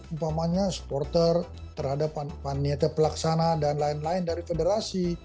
umpamanya supporter terhadap panitia pelaksana dan lain lain dari federasi